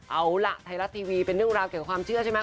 เอาล่ะไทยรัฐทีวีเป็นเรื่องราวเกี่ยวความเชื่อใช่ไหม